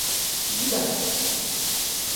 Ziba.